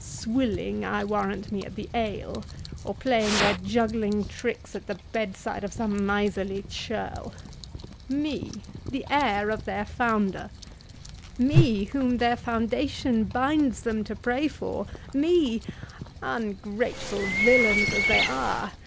—Swilling, I warrant me, at the ale, or playing their juggling tricks at the bedside of some miserly churl.—Me, the heir of their founder—me, whom their foundation binds them to pray for—me—ungrateful villains as they are!